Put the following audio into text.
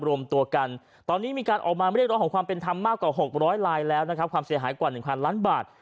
รวมตัวกันตอนนี้มีการออกมาเรียกร้องของความเป็นธรรมมากกว่า๖๐๐ลายแล้วนะครับความเสียหายกว่า๑๐๐ล้านบาท